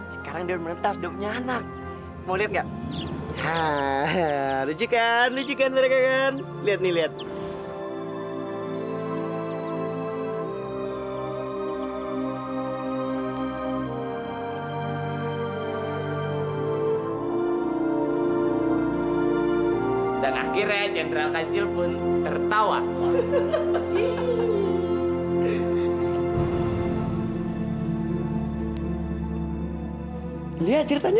saya meninggal gak mungkin